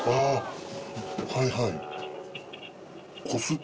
はいはい。